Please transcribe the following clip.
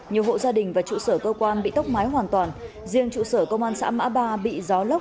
nhiều hộ gia đình và trụ sở cơ quan bị tốc mái hoàn toàn riêng trụ sở công an xã mã ba bị gió lốc